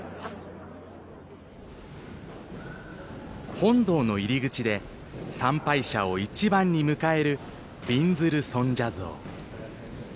本堂の入り口で参拝者を一番に迎えるびんずる尊者像。